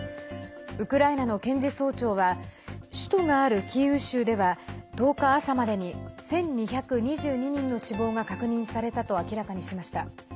ウクライナの検事総長は首都があるキーウ州では１０日朝までに１２２２人の死亡が確認されたと明らかにしました。